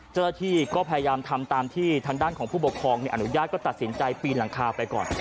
เจ้าหน้าที่ก็พยายามทำตามที่ทางด้านของผู้ปกครองอนุญาตก็ตัดสินใจปีนหลังคาไปก่อน